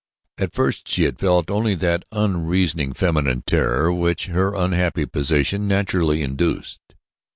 At first she had felt only that unreasoning feminine terror which her unhappy position naturally induced.